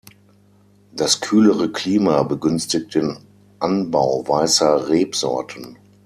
Das kühlere Klima begünstigt den Anbau weißer Rebsorten.